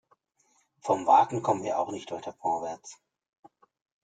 Vom Warten kommen wir auch nicht weiter vorwärts.